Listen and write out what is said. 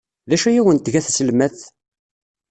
D acu ay awen-tga tselmadt?